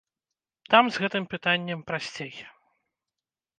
Там з гэтым пытаннем прасцей.